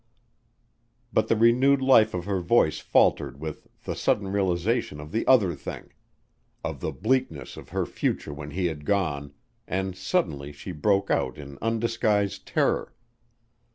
'" But the renewed life of her voice faltered with the sudden realization of the other thing: of the bleakness of her future when he had gone, and suddenly she broke out in undisguised terror.